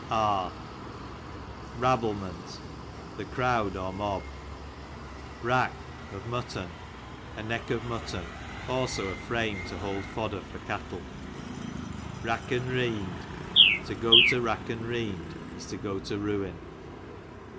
R IEaBBLEMENT, a crowd, a mob. Rack (for mutton,) a neck of muttcm, also a frame to hold fodder for cattle. Rack and reend, to go to rack and reend, is to go to ruin.